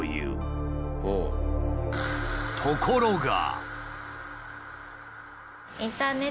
ところが。